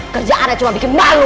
kerjaannya cuma bikin malu